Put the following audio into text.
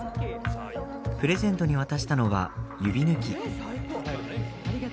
プレゼントに渡したのは指ぬき。